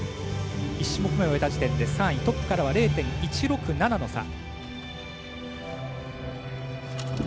１種目めを終えた時点で３位トップからは０．１６７の差。